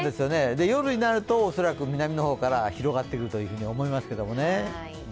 夜になると、恐らく南の方から広がってくるというふうに想いますけれども。